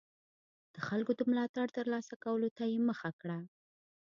د خلکو د ملاتړ ترلاسه کولو ته یې مخه کړه.